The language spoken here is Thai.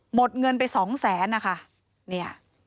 หมดเงินไปสองแสนนะคะเนี่ย